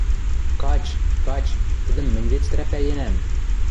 – Кач, кач, тӹдӹм мӹнь вет стряпӓенӓм...